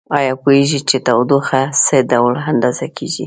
ایا پوهیږئ چې تودوخه څه ډول اندازه کیږي؟